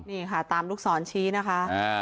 นี่ค่ะตามลูกศรชี้นะคะ